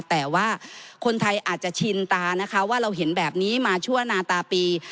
แต่ว่าคนไทยอาจจะชินตานะคะว่าเราเห็นแบบนี้มาชั่วนาตาปี